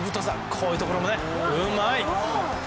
こういうところもうまい！